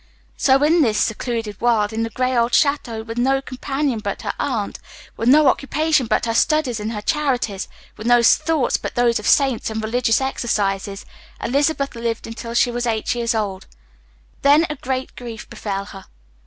So, in this secluded world in the gray old château, with no companion but her aunt, with no occupation but her studies and her charities, with no thoughts but those of saints and religious exercises, Elizabeth lived until she was eleven years old. Then a great grief befell her.